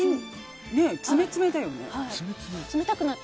つめつめだよね。